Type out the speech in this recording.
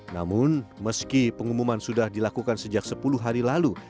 namun meski pengumuman sudah dilakukan sejak sepuluh hari lalu